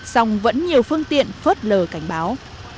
song vẫn nhiều phương tiện phớt lờ cảnh báo